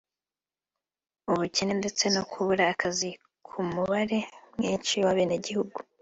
ubukene ndetse no kubura akazi ku mubare mwinshi w’abenegihugu